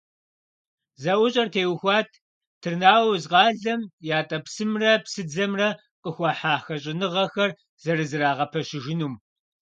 ЗэӀущӀэр теухуат Тырныауз къалэм ятӀэпсымрэ псыдзэмрэ къыхуахьа хэщӀыныгъэхэр зэрызэрагъэпэщыжынум.